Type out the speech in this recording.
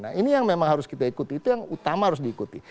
nah ini yang memang harus kita ikuti itu yang utama harus diikuti